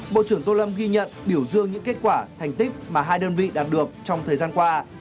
bộ trưởng tô lâm ghi nhận biểu dương những kết quả thành tích mà hai đơn vị đạt được trong thời gian qua